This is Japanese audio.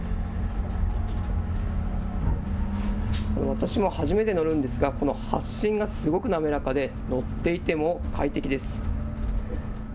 私も初めて乗るんですが、この発進がすごく滑らかで、乗っていても快適です。